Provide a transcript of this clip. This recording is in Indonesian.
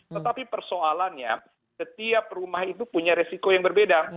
tetapi persoalannya setiap rumah itu punya resiko yang berbeda